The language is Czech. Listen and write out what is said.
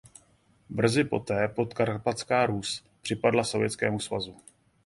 Brzy poté Podkarpatská Rus připadla Sovětskému svazu.